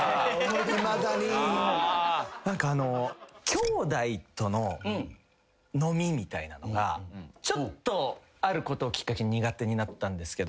兄弟との飲みみたいなのがちょっとあることをきっかけに苦手になったんですけど。